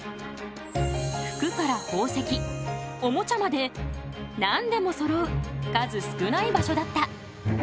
服から宝石おもちゃまで何でもそろう数少ない場所だった。